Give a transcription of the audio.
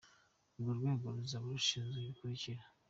Urwo rwego ruzaba rushinzwe ibi bikurikira: